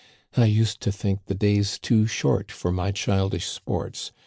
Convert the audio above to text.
I used to think the days too short for my childish sports.